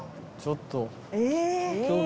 ちょっと。